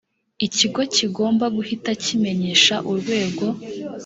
ikigo kigomba guhita kimenyesha urwego